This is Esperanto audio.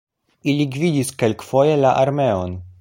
Ili gvidis kelkfoje la armeon.